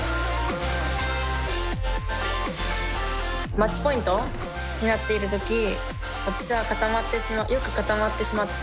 マッチポイントになっている時私はよく固まってしまって。